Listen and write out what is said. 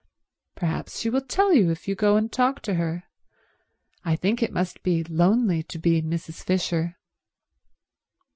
"Perhaps she will tell you if you go and talk to her. I think it must be lonely to be Mrs. Fisher."